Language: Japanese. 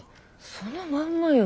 そのまんまよ。